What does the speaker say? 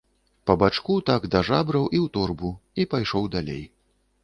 Па бачку так, да жабраў, і ў торбу, і пайшоў далей.